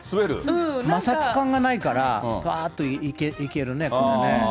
摩擦感がないからぱーっといけるね、これね。